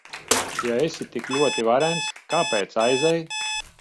Ja esi tik ļoti varens, kāpēc aizej?